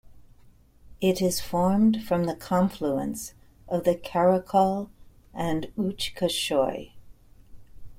It is formed from the confluence of the Karakol and Uch-Koshoy.